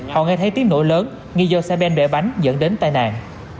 họ nghe thấy tiếng nổi lớn nghi do xe ben bẻ bánh dẫn đến tai nạn